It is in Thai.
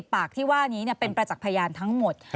ปากที่ว่านี้เป็นประจักษ์พยานทั้งหมด